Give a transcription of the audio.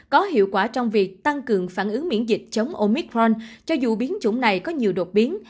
có hiệu quả trong việc tăng cường phản ứng miễn dịch chống oicron cho dù biến chủng này có nhiều đột biến